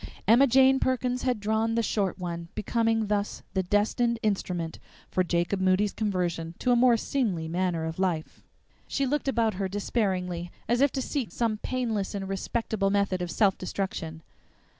Emma Jane Perkins had drawn the short one, becoming thus the destined instrument for Jacob Moody's conversion to a more seemly manner of life! She looked about her despairingly, as if to seek some painless and respectable method of self destruction.